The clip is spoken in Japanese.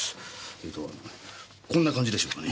えーとこんな感じでしょうかね。